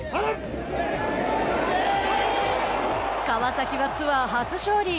川崎は、ツアー初勝利。